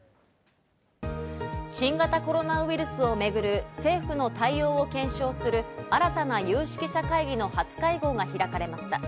新型コロナウイルスをめぐる政府の対応を検証する新たな有識者会議の初会合が開かれました。